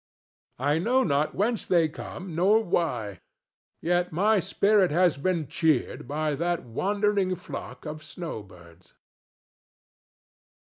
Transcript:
I know not whence they come, nor why; yet my spirit has been cheered by that wandering flock of snow birds.